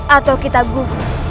atau kita guna